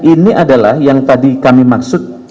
ini adalah yang tadi kami maksud